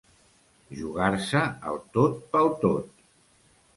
Jugar-se el tot pel tot.